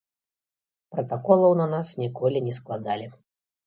Пратаколаў на нас ніколі не складалі.